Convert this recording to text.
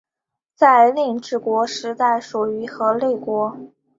在令制国时代属于河内国。